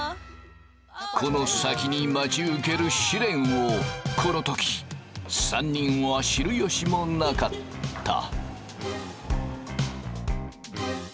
この先に待ち受ける試練をこの時３人は知る由もなかった。